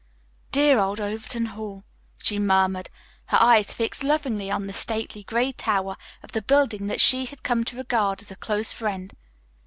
"Dear old Overton Hall," she murmured, her eyes fixed lovingly on the stately gray tower of the building that she had come to regard as a close friend.